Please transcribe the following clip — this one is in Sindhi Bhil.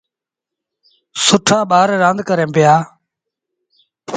سُٺآ ٻآر رآند ڪريݩ پيٚآ۔